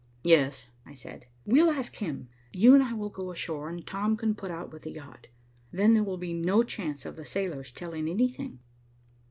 "Yes," I said. "Well, ask him. You and I will go ashore, and Tom can put out with the yacht. Then there will be no chance of the sailors' telling anything."